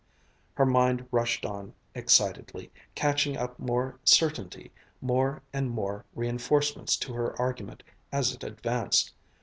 Her mind rushed on excitedly, catching up more certainty, more and more reinforcements to her argument as it advanced.